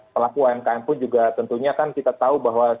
pelaku umkm pun juga tentunya kan kita tahu bahwa